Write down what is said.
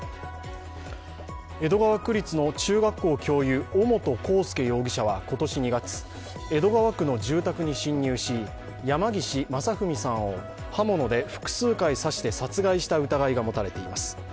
江戸川区立の中学校教諭尾本幸祐容疑者は今年２月江戸川区の住宅に侵入し山岸正文さんを刃物で複数回刺して殺害した疑いが持たれています。